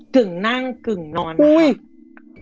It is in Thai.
กึ่งนั่งกึ่งนอนอุ้ย